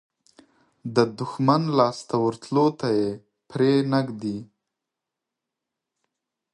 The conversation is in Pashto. د دښمن لاس ته ورتلو ته یې پرې نه ږدي.